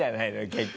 結局。